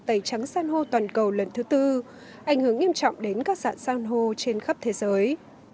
tây trắng săn hô toàn cầu lần thứ tư ảnh hưởng nghiêm trọng đến các dạng săn hô trên khắp thế giới